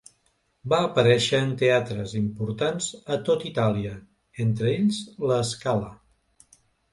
Va aparèixer en teatres importants a tot Itàlia, entre ells La Scala.